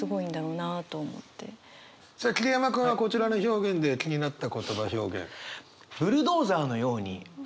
さあ桐山君はこちらの表現で気になった言葉表現。